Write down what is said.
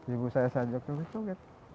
ibu saya saja kaget kaget